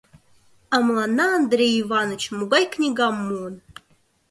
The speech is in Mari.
— А мыланна Андрей Иваныч могай книгам муын!